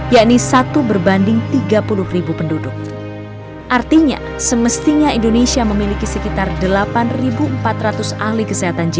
yakni satu berbanding tiga puluh orang